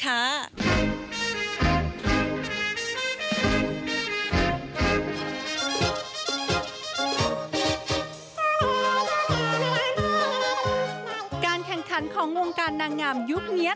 การแข่งขันของวงการนางงามยุคนี้